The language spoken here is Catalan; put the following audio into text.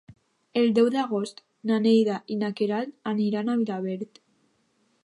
El deu d'agost na Neida i na Queralt aniran a Vilaverd.